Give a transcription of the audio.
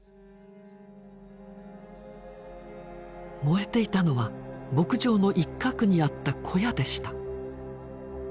燃えていたのは牧場の一角にあった小屋でした。